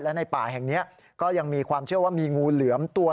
และในป่าแห่งนี้ก็ยังมีความเชื่อว่ามีงูเหลือมตัว